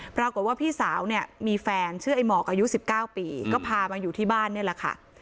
ปรากฏว่าพี่สาวเนี่ยมีแฟนชื่อไอ้หมอกอายุ๑๙ปีก็พามาอยู่ที่บ้านนี่แหละค่ะ